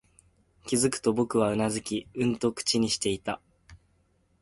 気づくと、僕はうなずき、うんと口にしていた